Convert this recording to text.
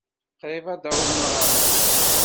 Qrib ad d-awḍen ɣer da.